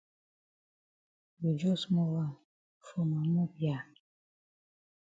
You jus move am for ma mop ya.